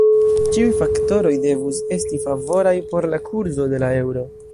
Ĉiuj faktoroj devus esti favoraj por la kurzo de la eŭro.